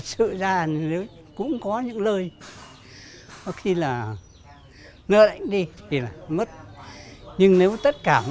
trong suốt hành trình giữ nghề truyền thống